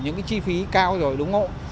những chi phí cao rồi đúng không